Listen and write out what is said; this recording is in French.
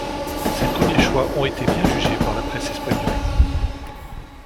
Ses premiers choix ont été bien jugés par la presse espagnole.